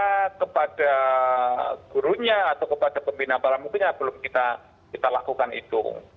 kita kepada gurunya atau kepada pembina pramuka belum kita lakukan itu